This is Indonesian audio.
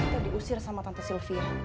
kita diusir sama tante sylvia